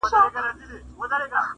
که مېرويس دی، که اکبر، که مسجدي دی.!